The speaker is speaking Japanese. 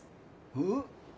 えっ？